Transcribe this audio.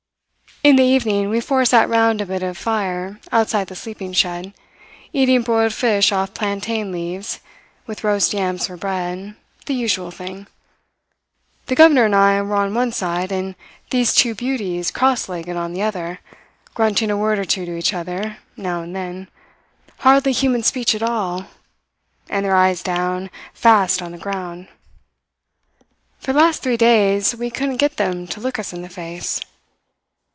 "In the evening we four sat round a bit of fire outside the sleeping shed, eating broiled fish off plantain leaves, with roast yams for bread the usual thing. The governor and I were on one side, and these two beauties cross legged on the other, grunting a word or two to each other, now and then, hardly human speech at all, and their eyes down, fast on the ground. For the last three days we couldn't get them to look us in the face.